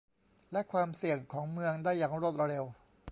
และความเสี่ยงของเมืองได้อย่างรวดเร็ว